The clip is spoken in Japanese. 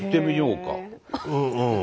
うん。